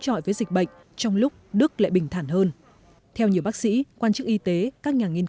trọi với dịch bệnh trong lúc đức lại bình thản hơn theo nhiều bác sĩ quan chức y tế các nhà nghiên